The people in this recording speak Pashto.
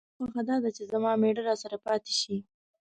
نه، زما خوښه دا ده چې زما مېړه راسره پاتې شي.